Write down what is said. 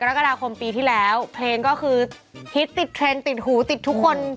กรกฎาคมปีที่แล้วเพลงก็คือฮิตติดเทรนด์ติดหูติดทุกคน